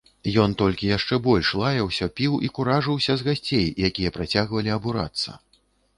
Ён толькі яшчэ больш лаяўся, піў і куражыўся з гасцей, якія працягвалі абурацца.